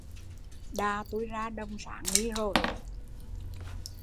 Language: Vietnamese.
Đà tui ra đồng sáng ni rồi